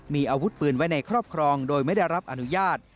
มีอาวุธปืนไว้ในครอบครองโดยไม่ได้รับอนุญาต